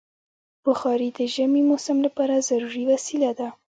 بخاري د ژمي موسم لپاره ضروري وسیله ده.